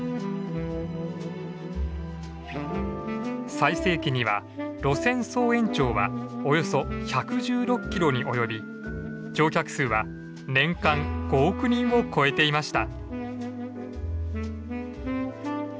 最盛期には路線総延長はおよそ１１６キロに及び乗客数は年間５億人を超えていました。